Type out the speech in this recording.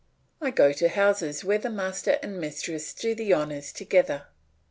I go to houses where the master and mistress do the honours together.